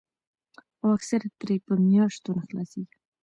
او اکثر ترې پۀ مياشتو نۀ خلاصيږي